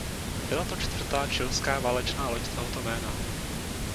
Byla to čtvrtá chilská válečná loď tohoto jména.